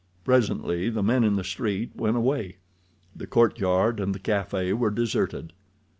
Presently the men in the street went away. The courtyard and the café were deserted.